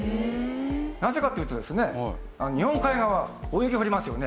なぜかというとですね日本海側大雪が降りますよね。